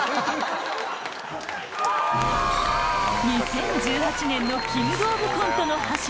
２０１８年の『キングオブコント』の覇者